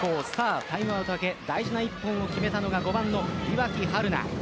タイムアウト明け大事な１本を決めたのが岩城遥南。